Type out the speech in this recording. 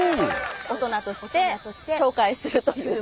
大人として紹介するという。